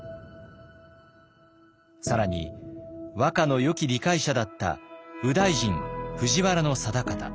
更に和歌のよき理解者だった右大臣藤原定方